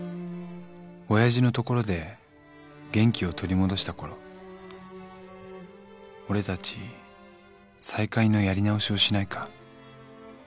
「親父のところで元気を取り戻した頃俺たち再会のやり直しをしないか」